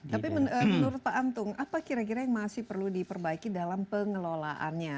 tapi menurut pak antung apa kira kira yang masih perlu diperbaiki dalam pengelolaannya